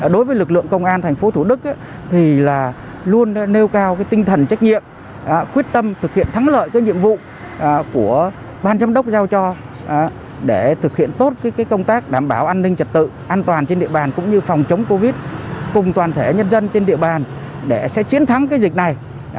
đối với lực lượng công an thành phố thủ đức thì luôn nêu cao tinh thần trách nhiệm quyết tâm thực hiện thắng lợi cái nhiệm vụ của ban giám đốc giao cho để thực hiện tốt công tác đảm bảo an ninh trật tự an toàn trên địa bàn cũng như phòng chống covid cùng toàn thể nhân dân trên địa bàn để sẽ chiến thắng cái dịch này